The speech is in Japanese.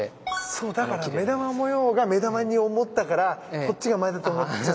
そうだから目玉模様が目玉に思ったからこっちが前だと思っちゃったんだ。